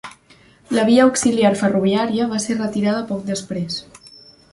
La via auxiliar ferroviària va ser retirada poc després.